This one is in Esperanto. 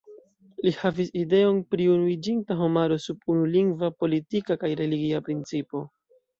Li havis ideon pri unuiĝinta homaro sub unu lingva, politika kaj religia principo.